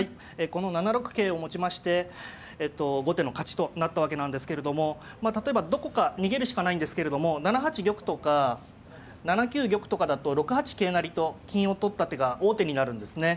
この７六桂をもちまして後手の勝ちとなったわけなんですけれどもまあ例えばどこか逃げるしかないんですけれども７八玉とか７九玉とかだと６八桂成と金を取った手が王手になるんですね。